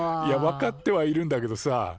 いや分かってはいるんだけどさ